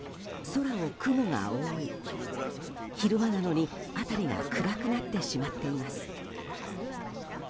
空を雲が覆い昼間なのに辺りが暗くなってしまっています。